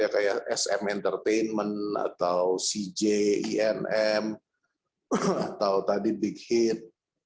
kayak sm entertainment atau cj inm atau tadi big hit